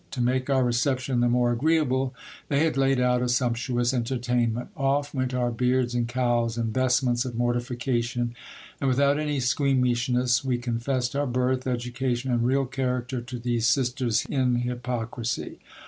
To make our reception the more agreeable, they had laid out a sumptuous entertainment. Off went our beards and cowls, and vestments of mortification ; and without any squeamishness we confessed our birth, educa tion, and real character, to these sisters in hypocrisy.